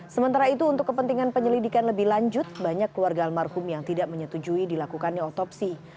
sementara itu untuk kepentingan penyelidikan lebih lanjut banyak keluarga almarhum yang tidak menyetujui dilakukannya otopsi